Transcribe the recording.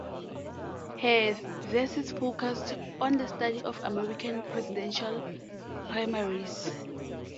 Her thesis focused on the study of American presidential primaries.